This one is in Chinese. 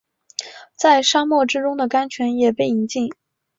在沙漠之中的甘泉也被饮尽